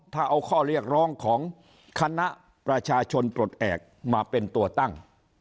ถ้าเอาข้อเรียกร้องของคณะประชาชนปลดแอบมาเป็นตัวตั้ง